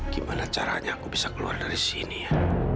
gimana caranya aku bisa keluar dari sini ya